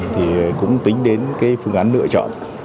thì cũng tính đến cái phương án lựa chọn